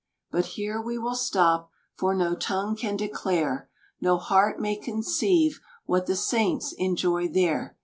But here we will stop, for no tongue can declare, No heart may conceive what the Saints enjoy there.